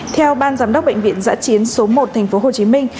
theo ban giám đốc bệnh viện giã chiến số một thành phố hồ chí minh